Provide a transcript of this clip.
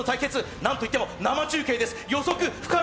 なんといっても生中継です、予測不可能。